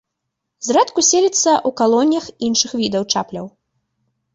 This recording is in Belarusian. Зрэдку селіцца ў калоніях іншых відаў чапляў.